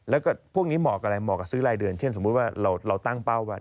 แล้วก็พวกนี้เหมาะกับซื้อรายเดือนเช่นสมมุติเราตั้งเป้าว่า